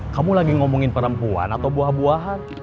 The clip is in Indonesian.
kamu lagi ngomongin perempuan atau buah buahan